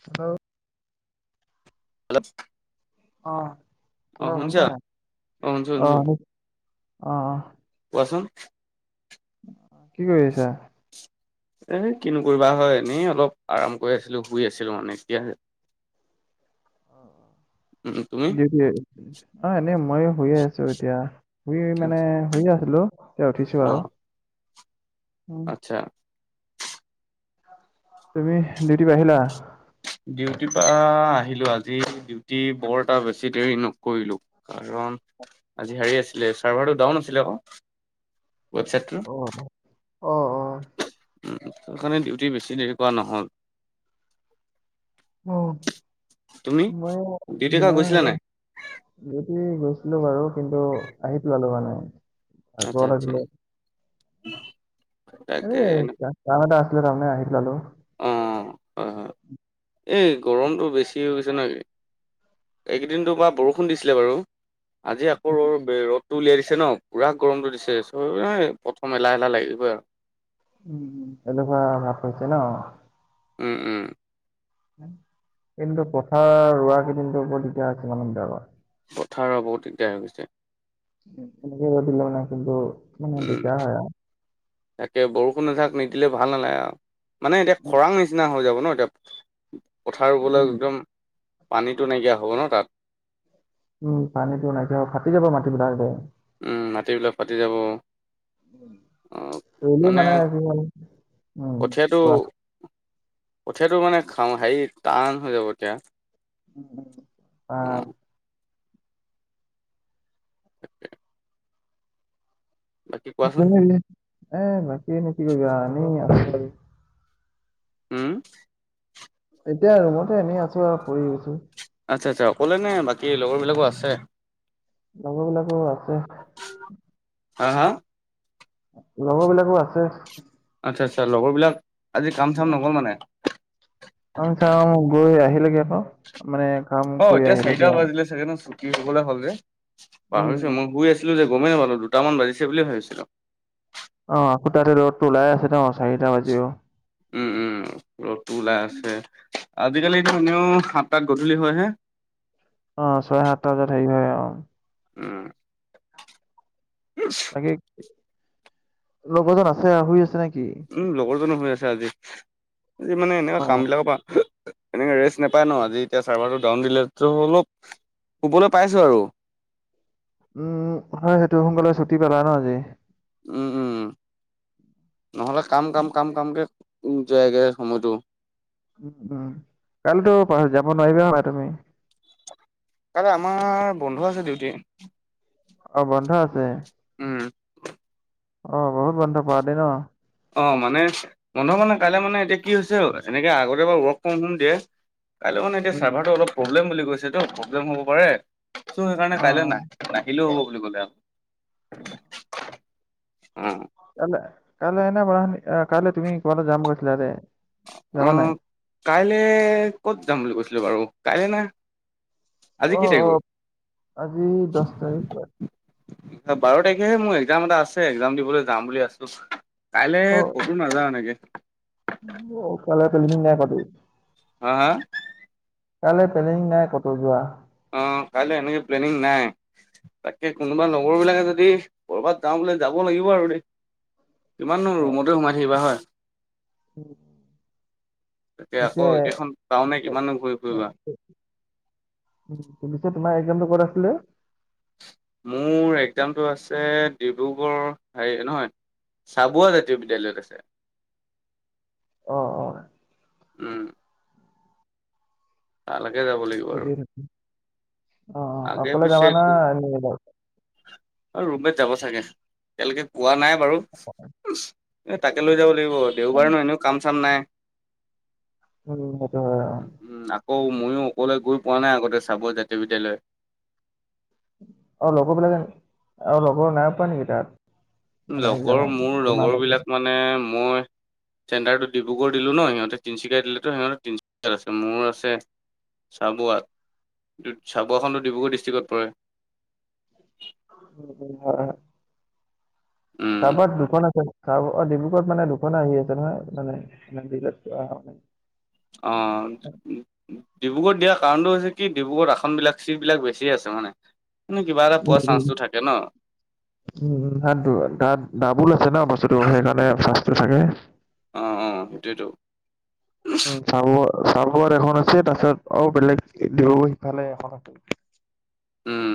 অ [unintelligible] ল অ হেল্ল' শুনিছা নাই শুনিছো অ শুনিছো। শুনি অ অ কোৱাচোন কি কৰি আছা এ কিনো কৰিবা হয় এনেই অলপ আৰাম কৰি আছিলো শুই আছিলো মানে এতিয়া উম, তুমি? দি দিয়ে অ এনে মইয়ো শুইয়ে আছো এতিয়া শুই মানে শুইয়ে আছিলো এতিয়া উঠিছো আউ আতচ্ছা তুমি ডিউটি পা আহিলা ডিউটিৰ পা আহিলো আজি ডিউটি বৰ এটা বেছি দেৰি নকৰিলো কাৰণ আজি হেৰি আছিলে চাৰ্ভাৰটো ডাউন আছিলে আক ৱেবছাইটটোৰ অ অ অ অ উ সেই কাৰণে ডিউটি বেছি দেৰি কৰা নহ'ল অ তুমি মই ডিউটি কা গৈছিলা মই নাই ডিউটি গৈছিলো বাৰু কিন্তু আহি পেলালো মানে ভাগ আচ্ছা আচ্ছা। লাগিলে তাকে এই কা কাম এটা আছিলে তাৰমানে আহি পেলালো অ হয় হয়। [inaudible] এই গৰমটো বেছি হৈ গৈছে ন এইকেইদিন তোমাৰ বৰষুণ দিছিলে বাৰু আজি আকৌ ৰ'ৰ বে ৰদ টো উলিয়াই দিছে ন পুৰা গৰমটো দিছে চো প্ৰথম এলাহ এলাহ লাগিবই আৰু। উম' এনেকুৱা ভাপ পাইছে ন। উম উম' কিন্তু, পথাৰ ৰোৱা গেদিনটো বৰ দিগদাৰ হৈছে মানুহবিলাকৰ। পথা ৰোৱা বহুত দিগদাৰ হৈ গৈছে। তেনেকে ৰ'দ দিলে মানে কিন্তু মানে উম দিগদাৰ হয় আৰু। তাকে বৰষুণ এজাক নিদিলে ভাল নালে আও। মানে এতিয়া উম, খৰাং নিচিনা হৈ যাব ন এতিয়া, পথাৰ ৰুবলে উম। একদম- পানীটো নাইকিয়া হ'ব ন তাত। উম' পানীতো নাইকিয়া হ'ব ফাটি যাব মাটিবিলাকযে। উম' মাটিবিলাক ফাটি যাব উম'। কৰিলোঁ মানে কি হ'ল, উম' কঠীয়াটো কোৱা। কঠীয়াটো মানে খাওঁ হেৰি টান হৈ যাব এতিয়া। অ অঁ' বাকী কোৱাচোন এ বাকি এনেই কি কৰিবা আও, আছো এনেই। উওম' এতিয়া ৰুমতে এনেই আছোঁ আৰু পৰি আছোঁ। আৎচ্ছা আৎচ্ছা অকলেনে বাকী লগৰবিলাকো আছে? লগৰ বিলাকো আছে। হাঁ হাঁ। লগৰ বিলাকো আছে। আৎচ্ছা আৎচ্ছা, লগৰ বিলাক আজি কাম চাম নগল মানে। কাম চাম গৈ আহিলেগে ক, মানে কাম অ কৰি এতিয়া চাৰিটা আহিলেগে আও। বাজিলে চাগে ন চোপ। কি হবলে হ'ল যে উম, পাহৰিছো উম। মই শুই আছিলোঁ যে গমেই নাপালো দুটামান বাজিছে বুলিয়ে ভাবিছিলোঁ। অঁ আকৌ তাতে ৰদটো ওলাই আছে ন চাৰিটা বাজিও। উম উম' ৰদটো ওলাই আছে আজিকালি এতিয়া এনেও সাত তাত গধূলি হয় হে। অঁ ছয় সাতটা বজাত হেই হয় আও। উম' তাকে- ইছ- লগৰ জন আছে আও শুই আছে না কি? উম' লগৰ জনো শুই আছে আজি আজি মানে এনে কাম অ'। বিলাকৰ পা- এনেকে ৰেষ্ট নাপায় ন আজি এতিয়া চাৰ্ভাৰটো ডাউন দিলেতো অলপ শুবলৈ পাইছোঁ আৰু। উম' হয় সেইটো সোনকালে ছুটি পালা ন আজি। উম উম' নহ'লে কাম কাম কাম কামকে যায়গে সময়টো। উম উম' কাইলেতো পথাত যাব নোৱাৰিবা হপাই তুমি। কাইলে আমাৰ বন্ধ আছে ডিউটি। অ বন্ধ আছে। উম' অ বহুত বন্ধ পাৱ দেই ন। অ মানে বন্ধ মানে কাইলে মানে এতিয়া কি হৈছে এনেকে আগতে বাও ৱৰ্ক ফ্ৰম হুম দিয়ে। কাইলে মানে এতিয়া উম। চাৰ্ভাৰটো অলপ প্ৰব্লেম বুলি কৈছেতো প্ৰব্লেম হ'ব পাৰে টো অ', সেইকাৰণে কাইলে অ' না- নাহিলেও হ'ব বুলি ক'লে আও। অঁ' উম কাইলে, কাইলে এনে বাৰ কাইলে তুমি কবালে যাম কৈছিলা যে, যাবা নাই? অ', কাইলে ক'ত যাম বুলি কৈছিলো বাৰু? কাইলৈ না? আজি কি অ', তাৰিখ অ' আজি বাৰু? দহ তাৰিখ হয়। বাৰ তাৰিখেহে মোৰ একজাম এটা আছে, একজাম দিবলে যাম বুলি আছো। কাইলে অ' কতো নাযাওঁ এনেকে। অ কাইলে প্লেনিং নাই পাতি হা-হা? কাইলে প্লেনিং নাই কতো যোৱা? অঁ, কাইলে এনেকে নেকে প্লেনিং নাই। তাকে কোনোবা লগৰ বিলাকে যদি ক'ৰবাত যাওঁ বোলে যাব লাগিব আৰু দেই। কিমান নো অ'। ৰুমতে সোমাই থাকিবা হয়। উম তাকে পিছে আকৌ একেখন টাউনে কিমানো ঘূৰি ফুৰিবা। পিলিছে তোমাৰ একজামটো কত আছিলে? মোৰ একজামটো আছে ডিব্ৰুগড়ৰ হেৰি নহয় চাবুৱা জাতীয় বিদ্যালয়ত আছে। অ অ। উম তালেকে যাব লাগিব আৰু। অ-অ অকলে যাবা নে আৰু কুনোবা যাব? আৰু ৰুমেত যাব চাগে! এতিয়ালেকে পোৱা নাই বাৰু। এ তাকে লৈ যাব লাগিব দেওবাৰে ন এনেও কাম-চাম নাই। উম সেইটো হয় অ'। উম আকৌ ময়ো অকলে গৈ পোৱা নাই আগতে চাবুঐ জাতীয় বিদ্যালয়। অ লগৰবিলাকে আৰু লগৰ নাই পৱা নেকি তাত? মানে লগৰ একজামৰ মোৰ তোমাৰ লগৰ লগৰবিলাক মানে মই চেণ্টাৰটো ডিব্ৰগড় দিলো ন সিহঁতে তিনচুকীয়া দিলেটো সিহঁতে তিনিচুকীয়াত আছে মোৰ আছে চাবুৱাত। চাবুৱখনতো ডিব্ৰুগড় ডিষ্ট্ৰিকত পৰে। উম-উম হয়-হয়। উম তাৰপৰা দুখন আছে, অ ডিব্ৰুগড়ত মানে দুখন আহি আছে নহয় মানে অ' ডিব্ৰুগড়ত দিয়া কাৰণটো কি হৈছে কি- ডিব্ৰুগড়ত আসনবিলাক, চিট বিলাক বেছি আছে মানে। মানে কিবা এটা উম পোৱা উম, চান্সটো থাকে ন? উম, তাত ডাবুল আছে ন বস্তুটো সেইকাৰণে চান্সটো থাকে। অ অ সেইটোয়েতো। চাবুৱা চাবুৱাত এখন আছে তাৰছত আৰু বেলেগ ডিব্ৰুগড়ৰ সিফালে এখন আছিল। উম,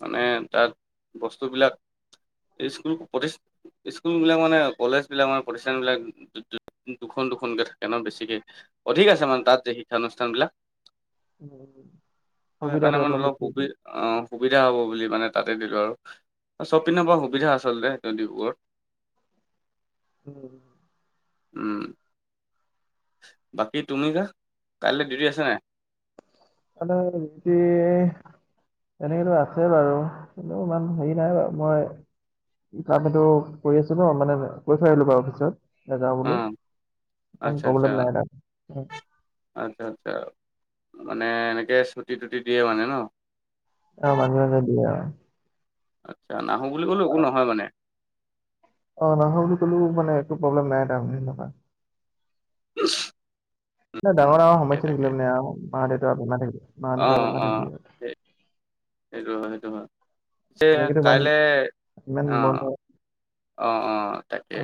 মানে তাত বস্তুবিলাক, স্কুল প্ৰতিষ্ঠ স্কুল বিলাক মানে কলেজ বিলাক মানে প্ৰতিষ্ঠান বিলাক দুখন-দুখনকে থাকে ন বেছিকে। অধিক আছে মানে তাত যে শিক্ষানুষ্ঠান বিলাক। উম উম, সুবিধাটো সেইকাৰণে মানে অলপ বেছিয়ে সুবি দিয়ে। অ' সুবিধা হব বুলি মানে তাতে দিলো আৰু। চব পিনৰ পৰা সুবিধা আচলতে, সে ডিব্ৰুগড়ত। উম উম বাকী তুমি যে, কাইলে ডিউটি আছে নে নাই? কালি ডিউটী, তেনেকেতো আছে বাৰু কিন্তু ইমান হেৰি নাই আৰু মই, কাম এইটো কৰি আছো ন মানে কৈ থৈ আহিলো বাৰু অফিচত। নেযাওঁ অ বুলি, ইমান আচ্ছা আচ্ছা প্ৰব্লেম নাই তাত। আচ্ছা আচ্ছা মানে এনেকে চুটি তুটি দিয়ে মানে ন, অ মাজে মাজে দিয়ে অ, আচ্ছা নাহো বুলি ক'লেও একো নহয় মানে, অ নহয় বুলি কলেও মানে একো প্ৰব্লেম নাই তামানে হেনেকুৱা, [unintelligible] নাই ডাঙৰ ডাঙৰ তাকে সমস্যা তাকে থাকিলে মানে মা দেউতা মানে থাকে মা অ দেউতা বেমাৰ অ থাকে, সেই সেইটো হয় সেইটো হয় তে এনেকেতো ইমান কাইলে ইমান অ বন্ধ অ অ তাকে অ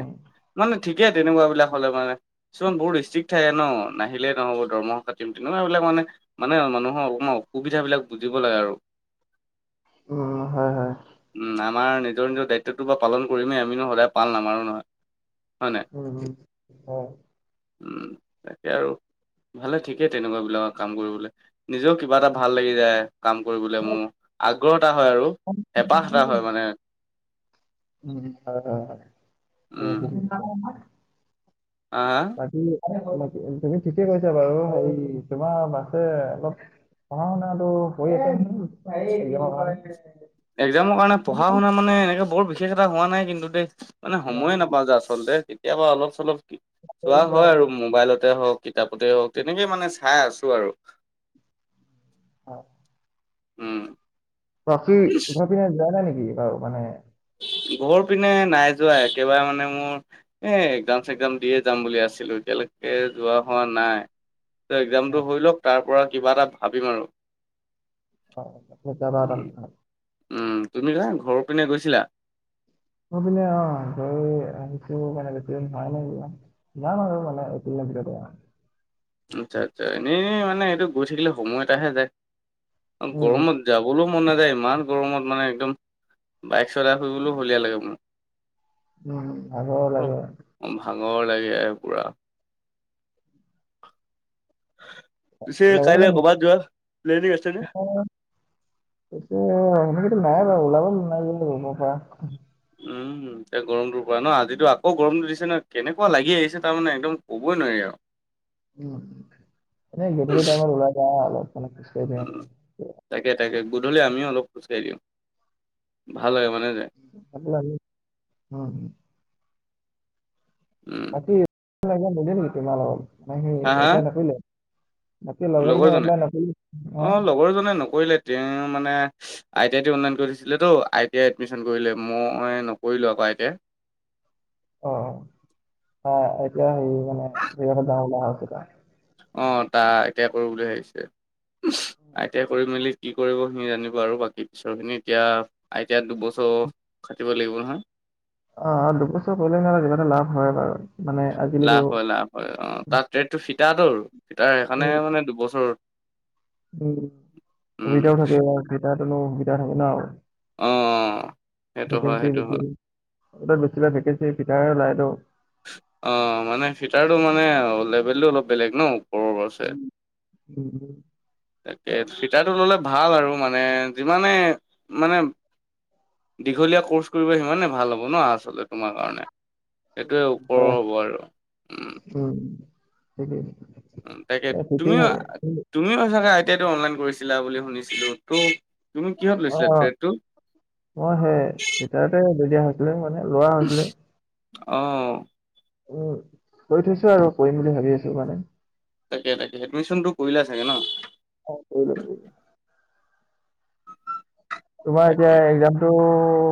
মানে ঠিকেই তেনেকুৱা বিলাক হলে মানে, কিছুমান বহুত ষ্ট্ৰিক্ ঠাকে ন নাহিলে নহব দৰমহা কাতিম তেনেকুৱা বিলাক মানে, মানে মানুহৰ অকণমান অসুবিধা বিলাক বুজিব লাগে আৰু, উম হয় হয় উম্ আমাৰ নিজৰ নিজৰ দায়িত্বটো বা পালন, কৰিমেই আমিনো সদায় পাল নামাৰো নহয় হয় নাই, উম্ উম্ অ উম্ তাকে আৰু ভালে ঠিকেই তেনেকুৱা বিলাকৰ কাম কৰিবলে। নিজেও কিবা এটা ভাল লাগি যায় কাম কৰিবলৈ মোৰ আগ্ৰহ এটা হয় আৰু, হেঁপাহ এটা হয় মানে। উম্ হয় হয় হয়, আ আ বাকী তুমি ঠিকে কৈছা বাৰু হে তোমাৰ বাছে অলপ, পঢ়া শুনাটো কৰি আছে কি‌বা হয়, এক্সামৰ কাৰণে পঢ়া শুনা মানে এনেকুৱা বহুত বিশেষ এটা হোৱা নাই কিন্তু দেই, মানে সময়ে নাপাওঁ যে আচলতে কেতিয়াবা অলপ চলপ চোৱা হয় আৰু মোবাইলতে হওক, কিতাপতে হওক তেনেকে মানে চাই আছো আৰু, অ উম্ বাকী ঘৰ পিনে যোৱা নাই নেকি বাৰু মানে, ঘৰ পিনে নাই যোৱা একেবাৰে মানে মোৰ, এ এক্সাম চেক্সাম দিয়ে যাম বুলি আছিলো এতিয়ালৈকে যোৱা হোৱা নাই, এক্সামটো হয়, হৈ লওক তাৰ পৰা কিবা এটা ভাবিম আৰু, হয় প্ৰচাৰ আৰাম হয়, উম্ তুমি কা ঘৰৰ পিনে গৈছিলা? অ আমাৰ পানে অ হেৰি মানে, না না না এইকেইদিনৰ ভিতৰতে যাম, উম্ আচ্ছা আচ্ছা এনেই মানে এইটো গৈ থাকিলে সময় এটাহে যায়, উম গৰমত যাবলৈও মন নাযায় ইমান গৰমত মানে একদম বাইক চলাই ফুৰিবলৈও হলিয়া লাগে মোৰ। উম্ উম্ ভাগৰু লাগে। উম্ ভাগৰ লাগে পুৰা, পিছে লগৰ কেইটা কাইলে কৰ'বাত যোৱা প্লেনিক আছে নে, পিছে সেনেকেতো নাই বাৰু ওলাব নোলাব বা ৰুমৰ পৰা, [inaudible] এই গৰমটোৰ পৰা ন আজিতো আকৌ গৰমটো দিছে ন কেনেকুৱা লাগি আহিছে তাৰ মানে একদম ক'বই নোৱাৰি আৰু উম্ এনেই গধূলি টাইমত ওলাই যাওঁ আৰু অলপ চলপ খোজ কাঢ়িব উম, কাৰণে তাকে তাকে গধূলি আমিও অলপ খোজকাঢ়ি দিওঁ ভাল লাগে মানে যে আপন আনিম উম উম্ ৰাতি নেকি তোমাৰ লগত মানে সি হা হা এপ্লাই নকৰিলে বাকী লগৰজনে এপ্লাই নকৰিলে অ লগৰজনে নকৰিলে তেওঁ মানে আই টি আই টো অনলাইন কৰি দিছিলে তো আই টি আই এডমিশন কৰিলে মই নকৰিলো আকৌ আই টি আই অ এতিয়া হেৰি মানে যাওঁ যাওঁ হৈছে তাৰ অ তাই আই টি আই কৰো বুলি ভাবিছে আই টি আই কৰি মেলি কি কৰিব সি জানিব আৰু বাকী পিছৰখিনি এতিয়া আই টি আই দুবছৰ খাটিব লাগিব নহয় অ অ দুবছৰ কৰিলে মানে কিবা এটা লাভ হয় বাৰু মানে আজিকালিতো লাভ হয় লাভ হয় অ তাত ট্ৰেডটো ফিতাৰটো আৰু সেইকাৰণে উম, মানে দুবছৰ উম উম সুবিধাও থাকেব ফাটাৰটো নো সুবিধা থাকে ন অ সেইটো হয় ভেকঞ্চি সেইটো হয় বেছি ভাগ ভেকেঞ্চি ফিটাৰৰে উলাই ত অ মানে ফিটাৰটো মানে লেভেলটো অলপ বেলেগ ন ওপৰত আছে [inaudible] তাকে ফিটাৰটো ল'লে ভাল আৰু মানে যিমানে মানে দীঘলীয়া ক'ৰ্চ কৰিব সিমানে ভাল হ'ব ন আচলতে তোমাৰ কাৰণে সেইটোৱে ওপৰৰ হয়, হ'ব আৰু উম সেইটোৱেই তাকে তুমিও তুমিও আই টি আই টো অনলাইন কৰিছিলা বুলি শুনিছিলো ত তুমি কিহত লৈছিলা অ', ট্ৰেদটো তাতে দি দিয়া হৈছিলে মানে লোৱা হৈছিলে অ উম কৰি থৈছো আৰু কৰিম বুলি ভাবি আছো মানে তাকে তাকে এডমিচনটো কৰিলে চাগে ন অ কৰি লোৱা কৰি লোৱা তোমাৰ এতিয়া তাকে একজামটো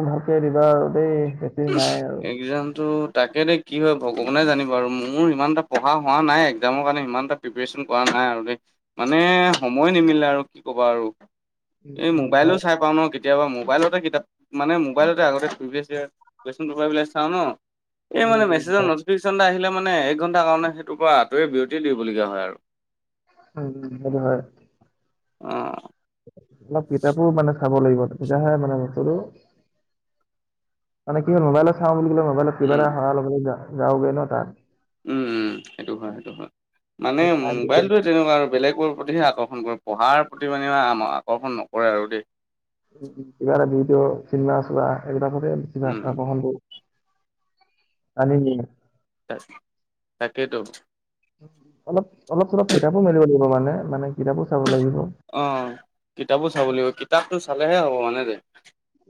ভালকে দিবা আৰু দেই নাই আৰু। একজামটো তাকে দে কি হয় ভগৱানে জানিব আৰু মোৰ ইমান এটা পঢ়া হোৱা নাই একজামৰ কাৰণে ইমান এটা প্ৰিপাৰেচন কৰা নাই আৰু দেই মানে সময় নিমিলে আৰু কি ক'বা আৰু উম, এই উম, মোবাইলো হয়। চাই পাও ন কেতিয়াবা মোবাইলতে কিতাপ মানে মোবাইলতে আগতে প্ৰিভিয়াছ ইয়াৰ কুৱেচণ পেঁপাৰ বিলাক চাওঁ ন এই উম, মানে উম, মেছেজত ন হয়। নতিফিশ্যন এটা আহিলে মানে এক ঘণ্টা কাৰণে সেইটোৰ পৰা আঁতৰি বিৰতি দিবলগীয়া হয় আৰু উম সেইটো হয় অ অলপ কিতাপো মানে চাব লাগিব তেতিয়াহে মানে বস্তুটো মানে কি হয় মোবাইলত চাওঁ বুলি ক'লে মোবাইলত কিবা উম, এটা অহা লগা ল'গ যাওগৈ ন তাত উম উম সেইটো হয় সেইটো হয় মানে সেইটো টাইম মোবাইলটো তেনেকুৱা আৰু বেলেগৰ প্ৰতিহে আকৰ্ষণ কৰে পঢ়াৰ প্ৰতি মানে আকৰ্ষণ নকৰে আৰু দেই কিবা এটা ভিডিঅ' চিনেমা চোৱা সেইবিলাকতে কিবা উম, আকৰ্ষণ কৰো টানি নিয়ে তাকেই ত অলপ অলপ চলপ কিতাপো মেলিব লাগিব মানে মানে কিতাপো চাব লাগিব অঁ', -কিতাপো চাব লাগিব, কিতাপটো চালেহে হ'ব মানে যে।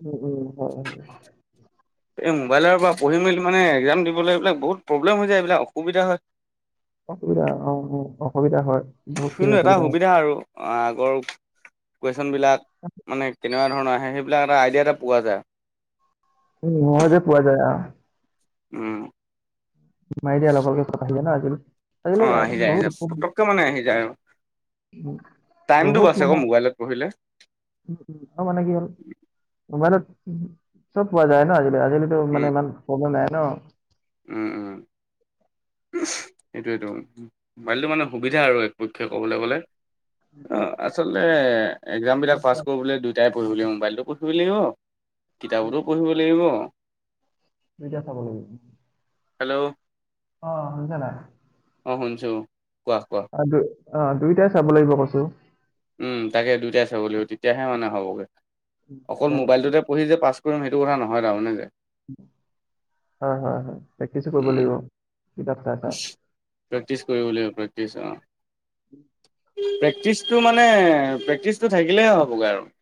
উম-উম, হয়-হয়। এই মোবাইলৰ পৰা পঢ়ি মেলি মানে এক্জাম দিবলৈ এইবিলাক বহুত প্ৰবলেম হৈ যায়, এইবিলাক অসুবিধা হয়। অসুবিধা অঁ', -উমঁ, অসুবিধা হয়। বহুতখিনি কিন্তু এটা অসুবিধা হয়। সুবিধা আৰু আগৰ কুৱেচন বিলাক মানে- কেনেধৰণৰ আহে সেইবিলাক এটা আইডিয়া এটা পোৱা যায়। উমঁ, পোৱা যায় অঁহ। উমঁ। মাৰি দিয়া লগে-লগে পতককে আহি যায় না আজিকালি। অ', আহি আজিকালি যায়, আহি বহুত যায়, উপৰ- পতককে মানে আহি যায় আৰু, উম' টাইমটো বহুত বাছে আকৌ মানে- মোবাইলত পঢ়িলে। আৰু মানে কি হ'ল মোবাইলত চব পোৱা যায় ন আজি কালি। আজি কালি সেইটো উম, মানে ইমান প্ৰব্লেম নাই ন। উম উম। [inaudible] সেইটোৱেটো মোবাইলটো মানে সুবিধা আৰু একপক্ষে ক'বলৈ গ'লে অহ। আচলতে একজামবিলাক পাছ কৰিবলৈ দুয়োটাই পঢ়িব লাগিব মোবাইলটো পঢ়িব লাগিব কিতাপতো পঢ়িব লাগিব। এতিয়া চাব লাগিব। হেল্ল'? অহ, শুনিছানে নাই? অঁহ শুনছু, কোৱা কোৱা। অঁহ দুই অঁহ দুইটাই চাব লাগিব কৈছো। উম, তাকে দুইটাই চাব লাগিব তেতিয়াহে মানে হ'বগৈ। অকল মোবাইলটোতে পঢ়ি যে পাছ কৰিম সেইটো কথা নহয় তাৰমানে যে। হয়, হয়। হয় প্ৰেক্টিছ কৰিব উম লাগিব কিতাপ চাই চাই। প্ৰেক্টিচ কৰিব লাগিব প্ৰেক্টিছ অঁহ, প্ৰেক্টিছ টো মানে প্ৰেক্টিচটো থাকিলেহে হ'বগে আৰু।